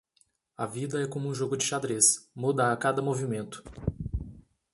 A vida é como um jogo de xadrez, muda a cada movimento.